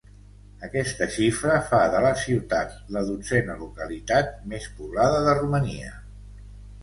Aquesta xifra fa de la ciutat la dotzena localitat més poblada de Romania.